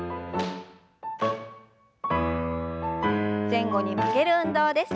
前後に曲げる運動です。